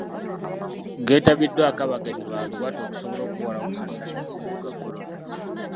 Geetabiddwako abagenyi balubatu okusobola okwewala okusaasaanya Ssennyiga kolona.